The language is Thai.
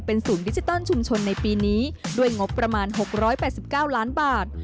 ศูนย์ดิจิตอลชุมชนในปีนี้ด้วยงบประมาณ๖๘๙ล้านบาท